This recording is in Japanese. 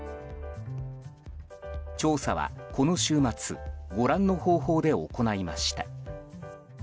調査はこの週末ご覧の方法で行いました。